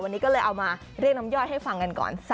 วันนี้ก็เลยเอามาเรียกน้ำย่อยให้ฟังกันก่อน